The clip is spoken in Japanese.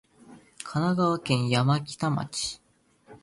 神奈川県山北町